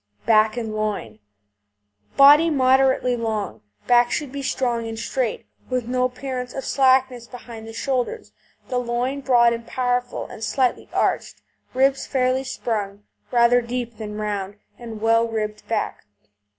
BACK AND LOIN Body moderately long; back should be strong and straight, with no appearance of slackness behind the shoulders; the loin broad and powerful, and slightly arched; ribs fairly sprung, rather deep than round, and well ribbed back.